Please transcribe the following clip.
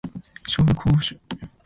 紹興酒